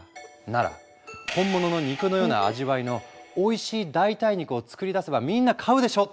なら本物の肉のような味わいのおいしい代替肉を作り出せばみんな買うでしょ！